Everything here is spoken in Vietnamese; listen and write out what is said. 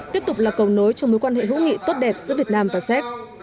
tiếp tục là cầu nối trong mối quan hệ hữu nghị tốt đẹp giữa việt nam và séc